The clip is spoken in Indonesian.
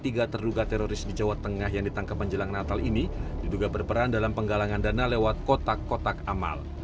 tiga terduga teroris di jawa tengah yang ditangkap menjelang natal ini diduga berperan dalam penggalangan dana lewat kotak kotak amal